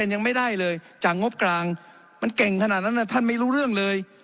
ยังไม่ได้เลยจากงบกลางมันเก่งขนาดนั้นท่านไม่รู้เรื่องเลย